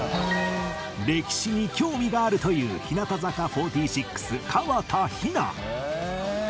歴史に興味があるという日向坂４６河田陽菜